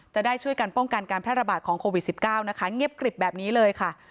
จะได้ช่วยกันป้องกันการแพร่ระบาดของโควิด๑๙นะคะเงียบกริบแบบนี้เลยค่ะ